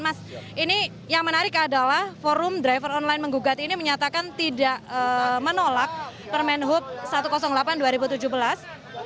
mas ini yang menarik adalah forum driver online menggugat ini menyatakan tidak menolak permen hub satu ratus delapan dua ribu tujuh belas